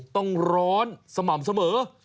ต้องร้อนสม่ำเสมอ